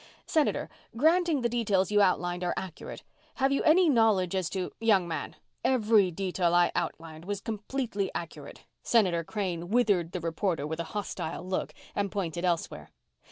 "Senator, granting the details you outlined are accurate, have you any knowledge as to " "Young man. Every detail I outlined was completely accurate." Senator Crane withered the reporter with a hostile look and pointed elsewhere.